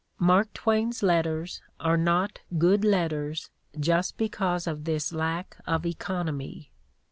Mark Twain's letters are not good letters just because of this lack of economy.